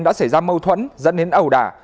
đã xảy ra mâu thuẫn dẫn đến ẩu đả